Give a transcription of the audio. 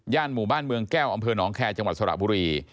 หมู่บ้านเมืองแก้วอำเภอหนองแคร์จังหวัดสระบุรี